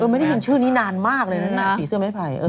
ไม่ได้ยินชื่อนี้นานมากเลยนะเนี่ยผีเสื้อไม้ไผ่